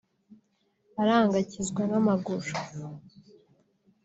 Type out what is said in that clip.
aranga akizwa n’amaguru